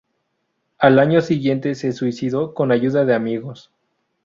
Al año siguiente se suicidó con ayuda de amigos.